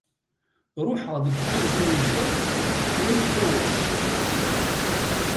Ruḥeɣ deg tirga uzal kra yekka wass.